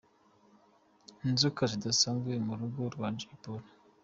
Inzoka zidasanzwe mu rugo rwa Jay Polly.